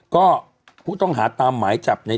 ก็ผู้ต้องหาตามหมายจับใน